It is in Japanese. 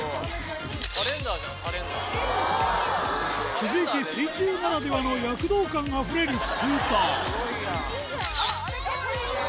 続いて水中ならではの躍動感あふれるスクータースゴいやん。